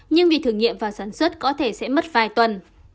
nhưng vì thử nghiệm và sản xuất có thể sẽ mất vài tuần